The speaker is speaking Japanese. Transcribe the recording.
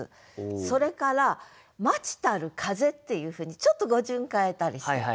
それから「待ちたる風」っていうふうにちょっと語順変えたりしてる。